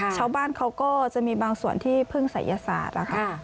ชาวบ้านเขาก็จะมีบางส่วนที่พึ่งศัยศาสตร์นะคะ